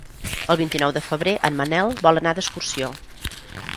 El vint-i-nou de febrer en Manel vol anar d'excursió.